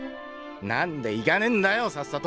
なんで行かねえんだよさっさと！